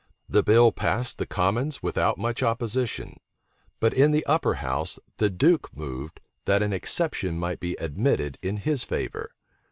The bill passed the commons without much opposition; but in the upper house the duke moved, that an exception might be admitted in his favor.